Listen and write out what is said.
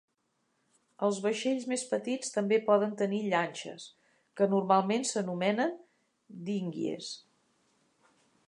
Els vaixells més petits també poden tenir llanxes, que normalment s'anomenen "dinghies".